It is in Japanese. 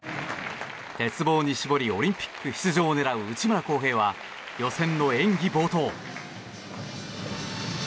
鉄棒に絞りオリンピック出場を狙う内村航平は予選の演技冒頭。